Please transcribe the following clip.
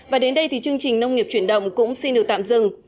và đến đây thì chương trình nông nghiệp chuyển động cũng xin được tạm dừng